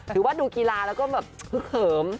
ถือว่าดูกีฬาแล้วก็แบบเผื่อเขิม